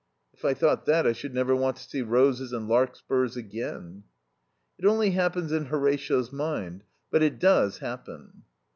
"If I thought that I should never want to see roses and larkspurs again." "It only happens in Horatio's mind. But it does happen."